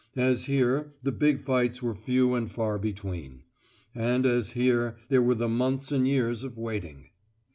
As here, the big fights were few and far between; and as here, there were the months and years of waiting.